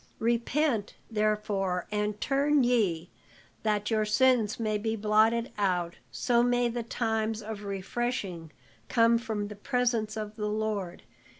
Repent, therefore, and turn ye, that your sins may be blotted out, so may the times of refreshing come from the presence of the Lord.